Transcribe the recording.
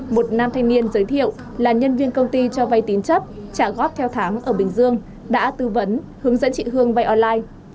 một nam thanh niên giới thiệu là nhân viên công ty cho vay tín chấp trả góp theo tháng ở bình dương đã tư vấn hướng dẫn chị hương vay online